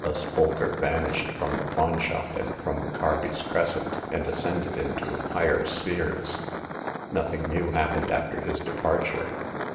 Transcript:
Thus Bolker vanished from the pawn shop and from Carby's Crescent, and ascended into higher spheres. Nothing new happened after his departure.